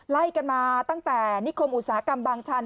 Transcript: ไล่กันมาตั้งแต่นิคมอุตสาหกรรมบางชัน